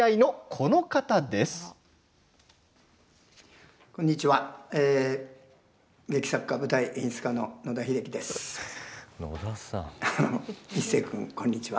こんにちは。